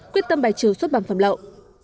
quyết tâm bài trừ xuất bản phẩm lậu